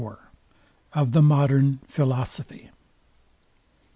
OF THE MODERN PHILOSOPHY.